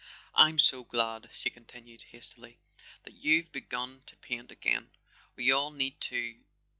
"I'm so glad," she continued hastily, "that you've begun to paint again. We all need to